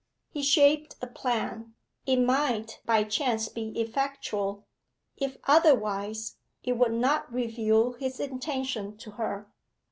He shaped a plan. It might by chance be effectual; if otherwise, it would not reveal his intention to her.